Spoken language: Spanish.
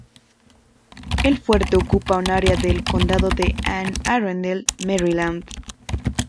El fuerte ocupa un área de del Condado de Anne Arundel, Maryland.